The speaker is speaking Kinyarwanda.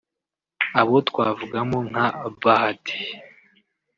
abo twavugamo nka Bahati